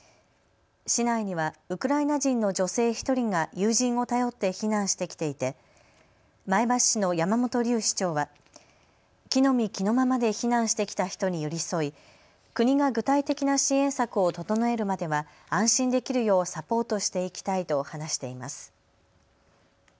市内にはウクライナ人の女性１人が友人を頼って避難してきていて前橋市の山本龍市長は着のみ着のままで避難してきた人に寄り添い国が具体的な支援策を整えるまでは安心できるようサポートしていきたいと話しています。